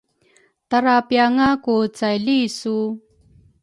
Tara pianga ku caili su?